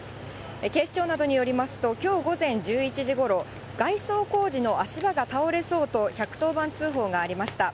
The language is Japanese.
警視庁などによりますと、きょう午前１１時ごろ、外装工事の足場が倒れそうと１１０番通報がありました。